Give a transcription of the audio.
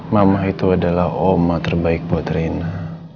mamah itu adalah oma terbaik buat rena